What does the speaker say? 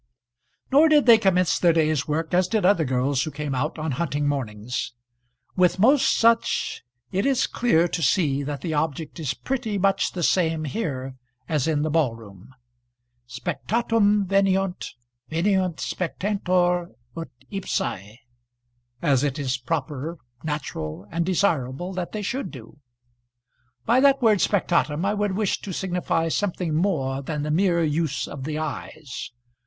Nor did they commence their day's work as did other girls who came out on hunting mornings. With most such it is clear to see that the object is pretty much the same here as in the ballroom. "Spectatum veniunt; veniunt spectentur ut ipsæ," as it is proper, natural, and desirable that they should do. By that word "spectatum" I would wish to signify something more than the mere use of the eyes.